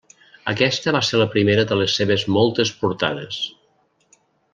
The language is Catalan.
Aquesta va ser la primera de les seves moltes portades.